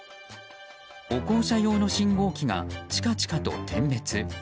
歩行者用の信号機がチカチカと点滅。